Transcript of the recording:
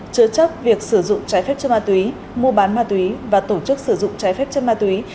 chứa chấp việc sử dụng trái phép chất ma túy mua bán ma túy và tổ chức sử dụng trái phép chân ma túy